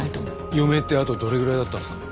余命ってあとどれぐらいだったんですか？